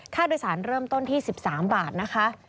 ค่าโดยสารเริ่มต้นที่๑๓บาทนะคะ